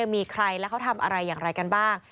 มีใครแล้วเขาทำอะไรอย่างไรกันบ้าง